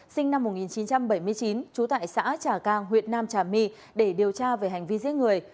sinh năm một nghìn chín trăm bảy mươi chín trú tại xã trà cang huyện nam trà my để điều tra về hành vi giết người